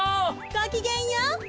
ごきげんよう！